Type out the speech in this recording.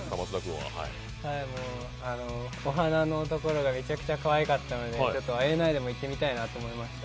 お花のところがめちゃくちゃかわいかったのでＩＮＩでも行ってみたいなと思いました。